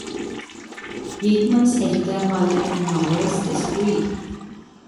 Yeatman's editor, Mullett and Nowers disagree.